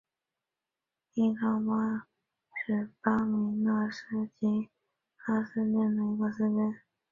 伊塔茹巴是巴西米纳斯吉拉斯州的一个市镇。